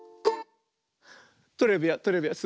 トレビアントレビアン。